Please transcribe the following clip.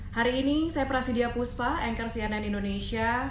hari ini saya prasidya puspa anchor cnn indonesia